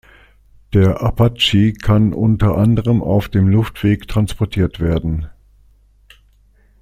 Der Apache kann unter anderem auf dem Luftweg transportiert werden.